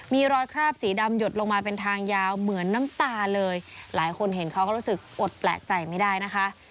มีรอยคราบสีดำหยดลงมาเป็นทางยาวเหมือนน้ำตาเลยหลายคนเห็นเขาก็รู้สึกอดแปลกใจไม่ได้นะคะ